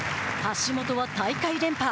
橋本は大会連覇。